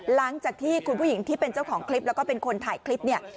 หลังจากที่คุณผู้หญิงที่เป็นเจ้าของคลิปแล้วก็เป็นคนถ่ายคลิปเนี่ย